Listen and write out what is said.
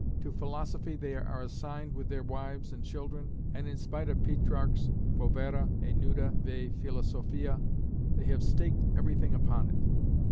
To philosophy they are assigned with their wives and children, and in spite of Petrarch's povera e nuda vai filosofia, they have staked everything upon it.